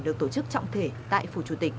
được tổ chức trọng thể tại phù chủ tịch